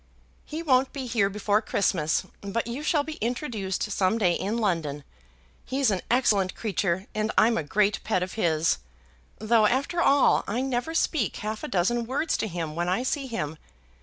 "He won't be here before Christmas, but you shall be introduced some day in London. He's an excellent creature and I'm a great pet of his; though, after all, I never speak half a dozen words to him when I see him.